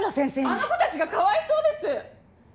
あの子たちがかわいそうです！